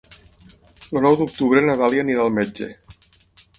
El nou d'octubre na Dàlia anirà al metge.